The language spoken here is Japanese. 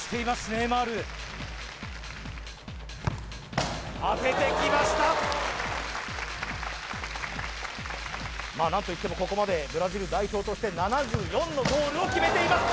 ネイマール当ててきましたまあ何といってもここまでブラジル代表として７４のゴールを決めています